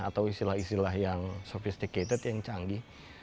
atau istilah istilah yang sophisticated yang canggih